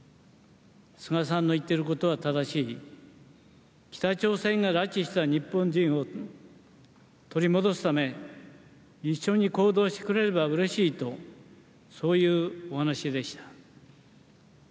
菅さんの言っていることは正しい北朝鮮が拉致した日本人を取り戻すため一緒に行動してくれればうれしいとそういうお話でした。